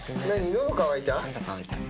のど渇いた？